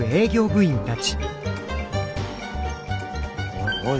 おいおい